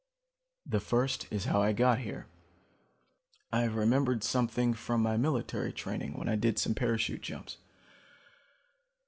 The first is how I got here. I've remembered something from my military training, when I did some parachute jumps.